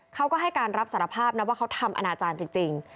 เขาก็ให้การรับสารภาพนะว่าเขาทำอนาจารย์จริง